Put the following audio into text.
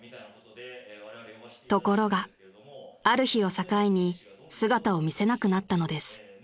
［ところがある日を境に姿を見せなくなったのです］